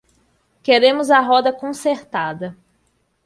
Queremos a roda consertada.